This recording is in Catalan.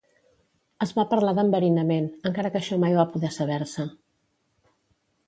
Es va parlar d'enverinament, encara que això mai va poder saber-se.